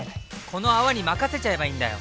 この泡に任せちゃえばいいんだよ！